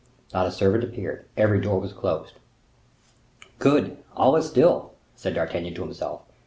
Not a servant appeared. Every door was closed. "Good! all is still," said D'Artagnan to himself.